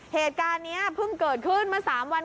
เหตุการณ์นี้เพิ่งเกิดขึ้นมา๓วัน